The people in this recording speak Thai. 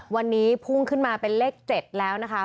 วันนี้พุ่งขึ้นมาเป็นเลข๗แล้วนะคะ